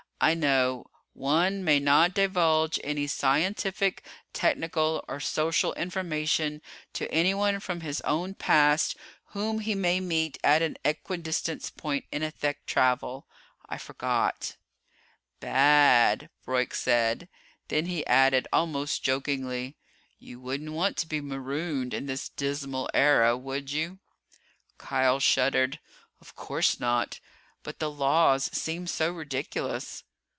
"I know: 'One may not divulge any scientific, technical or social information to anyone from his own past whom he may meet at an equidistant point in a Thek travel.' I forgot." "Bad," Broyk said. Then he added, almost jokingly: "You wouldn't want to be marooned in this dismal era, would you?" Kial shuddered. "Of course not. But the Laws seem so ridiculous."